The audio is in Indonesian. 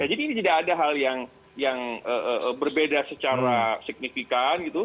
jadi ini tidak ada hal yang berbeda secara signifikan